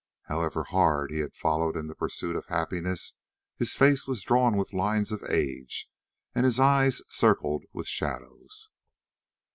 However hard he had followed in the pursuit of happiness, his face was drawn with lines of age and his eyes circled with shadows.